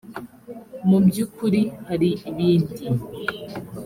mu by ukuri hari ibindi